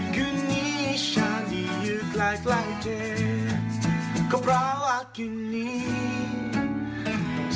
คุณนี้ชัดนี้อยู่ใกล้เท่าความบร้าวหวัดคุณนี้